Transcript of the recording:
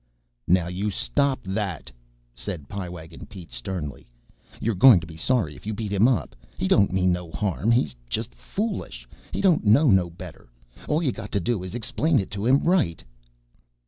"Now, you stop that," said Pie Wagon Pete sternly. "You're goin' to be sorry if you beat him up. He don't mean no harm. He's just foolish. He don't know no better. All you got to do is to explain it to him right."